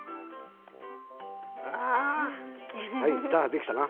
できたな。